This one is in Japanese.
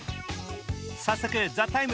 早速、「ＴＨＥＴＩＭＥ，」